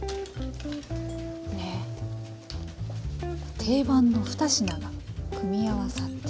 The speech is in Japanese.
定番の２品が組み合わさって。